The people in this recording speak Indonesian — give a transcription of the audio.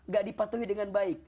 gak dipatuhi dengan baik